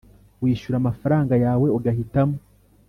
wishura amafaranga yawe ugahitamo